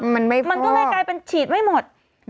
มันไม่พอมันก็เลยกลายเป็นฉีดไม่หมด